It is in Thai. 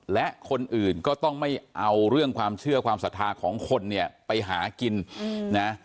และคนอื่นก็ต้องไม่เอาเรื่องความเชื่อความศรัทธาของคนเนี่ยไปหากินนะ